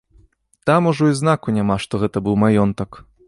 Там ужо і знаку няма, што гэта быў маёнтак.